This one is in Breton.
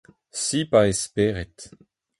Sipañ e spered.